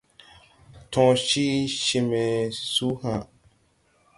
Tõõ cii cee me su ha̧a̧.